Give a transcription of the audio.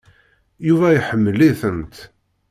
Yuba iḥemmel-itent.